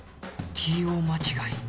Ｔ ・ Ｏ 間違い？